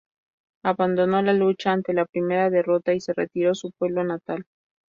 Abandonó la lucha ante la primera derrota y se retiró a su pueblo natal.